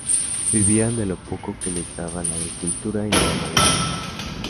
Vivían de lo poco que les daba la agricultura y la ganadería.